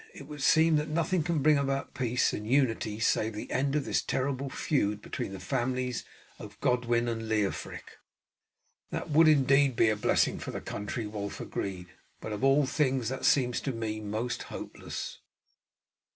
"It would seem that nothing can bring about peace and unity save the end of this terrible feud between the families of Godwin and Leofric." "That would indeed be a blessing for the country," Wulf agreed; "but of all things that seems to me most hopeless."